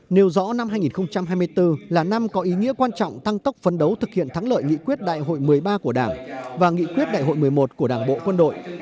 nêu rõ năm hai nghìn hai mươi bốn là năm có ý nghĩa quan trọng tăng tốc phấn đấu thực hiện thắng lợi nghị quyết đại hội một mươi ba của đảng và nghị quyết đại hội một mươi một của đảng bộ quân đội